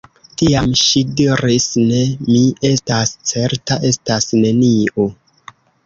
Tiam ŝi diris: Ne — mi estas certa — estas neniu.